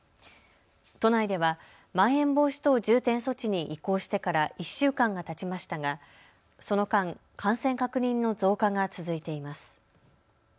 都内では、まん延防止等重点措置に移行してから１週間がたちましたがその間、感染確認の増加が続いています。